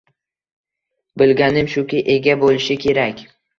Bilganim shuki, ega boʻlishi kerak.